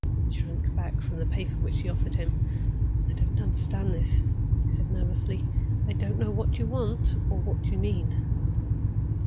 He shrank back from the paper which she offered to him. "I don't understand this," he said, nervously. "I don't know what you want, or what you mean."